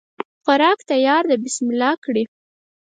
خوراک تیار ده بسم الله کړی